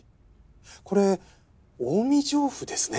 これ近江上布ですね？